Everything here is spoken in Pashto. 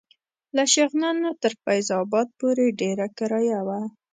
له شغنان نه تر فیض اباد پورې ډېره کرایه وه.